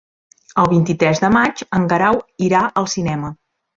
El vint-i-tres de maig en Guerau irà al cinema.